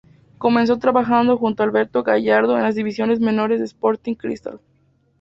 Comenzó trabajando junto a Alberto Gallardo en las divisiones menores de Sporting Cristal.